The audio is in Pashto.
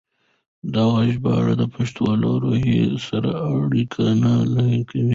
دغه ژباړه د پښتو له روح سره اړخ نه لګوي.